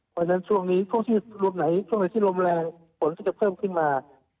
เพราะฉะนั้นช่วงไหนที่รมแรงฝนจะเพิ่มขึ้นมา